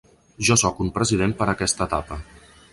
Jo sóc un president per aquesta etapa.